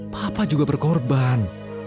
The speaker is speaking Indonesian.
papa juga berkorban